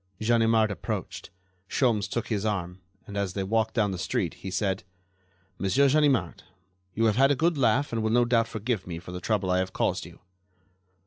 Ganimard approached. Sholmes took his arm, and as they walked down the street he said: "Monsieur Ganimard, you have had a good laugh and will no doubt forgive me for the trouble I have caused you."